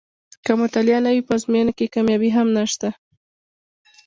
که مطالعه نه وي په ازموینو کې کامیابي هم نشته.